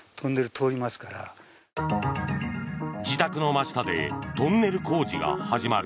自宅の真下でトンネル工事が始まる。